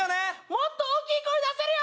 もっと大きい声出せるよ！